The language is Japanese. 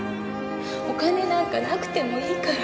お金なんかなくてもいいから。